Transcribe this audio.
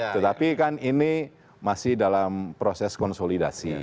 tetapi kan ini masih dalam proses konsolidasi